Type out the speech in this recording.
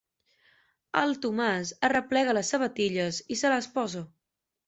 El Tomàs arreplega les sabatilles i se les posa.